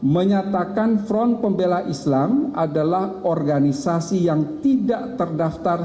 menyatakan front pembela islam adalah organisasi yang tidak terdaftar